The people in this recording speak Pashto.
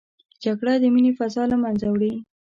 جګړه د مینې فضا له منځه وړي